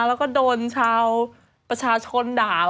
แล้วก็โดนชาวประชาชนด่า